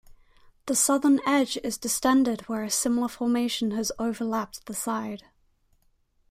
The southern edge is distended where a smaller formation has overlapped the side.